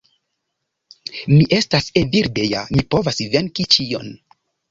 Mi estas Evildea, mi povas venki ĉion.